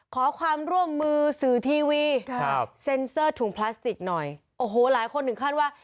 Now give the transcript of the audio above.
ขอความร่วมมือสื่อทีวีครับเซ็นเซอร์ถุงพลาสติกหน่อยโอ้โหหลายคนถึงขั้นว่า